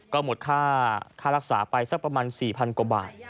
ก็หมดค่ารักษาไปสักประมาณ๔๐๐กว่าบาท